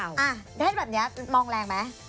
อ่ะได้แบบนี้มองแรงไหม